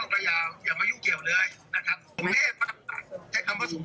ศุกรยาอย่ามายุ่งเกี่ยวเลยนะคะแต่คำว่าสมเทศ